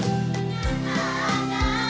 terima kasih pak hendrik